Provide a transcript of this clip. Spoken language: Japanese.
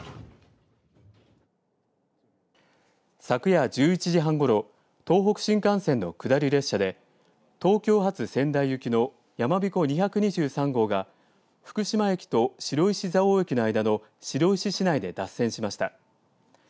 昨夜１１時半ごろ東北新幹線の下り列車で東京発、仙台行きのやまびこ２２３号が福島駅と白石蔵王駅の間の白石市内で脱線しました。